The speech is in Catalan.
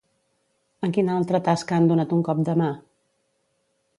En quina altra tasca han donat un cop de mà?